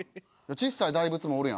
小さい大仏もおるやん。